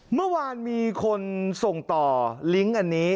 เมื่อวานมีคนส่งต่อลิงก์อันนี้